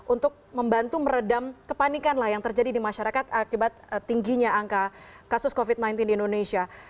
untuk membantu meredam kepanikan lah yang terjadi di masyarakat akibat tingginya angka kasus covid sembilan belas di indonesia